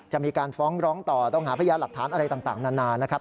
จะมีการฟ้องร้องต่อต้องหาพยานหลักฐานอะไรต่างนานานะครับ